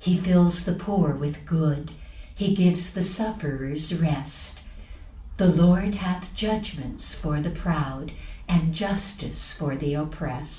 5 He fills the poor with good; He gives the sufferers rest; The Lord hath judgments for the proud, And justice for th' opprest.